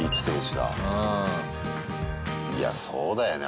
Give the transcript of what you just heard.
いやそうだよね